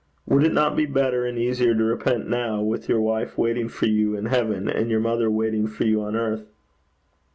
Would it not be better and easier to repent now, with your wife waiting for you in heaven, and your mother waiting for you on earth?'